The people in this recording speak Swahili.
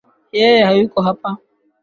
Yeye hayuko hapa \